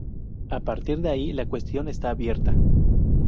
A partir de ahí la cuestión está abierta.